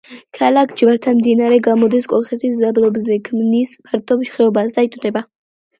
ქალაქ ჯვართან მდინარე გამოდის კოლხეთის დაბლობზე, ქმნის ფართო ხეობას და იტოტება.